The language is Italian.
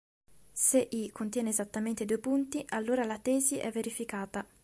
Se "l" contiene esattamente due punti, allora la tesi è verificata.